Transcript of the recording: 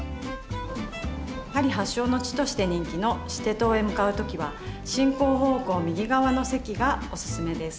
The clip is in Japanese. パリ発祥の地として人気のシテ島へ向かう時は進行方向右側の席がおススメです。